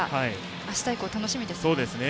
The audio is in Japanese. あした以降、楽しみですね。